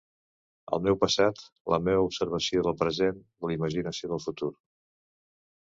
El meu passat, la meua observació del present, la imaginació del futur.